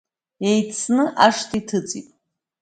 Еицны ашҭа иҭыҵит.